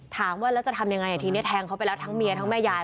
ถามว่าแล้วจะทำยังไงทีนี้แทงเขาไปแล้วทั้งเมียทั้งแม่ยาย